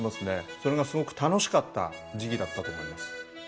それがすごく楽しかった時期だったと思います。